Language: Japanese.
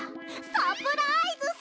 サプライズさ。